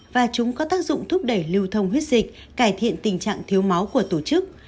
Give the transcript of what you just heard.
và chúng có tác dụng thúc đẩy lưu thông huyết dịch cải thiện tình trạng thiếu máu của tổ chức